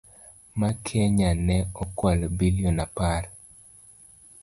Ma Kenya ne okwalo billion apar.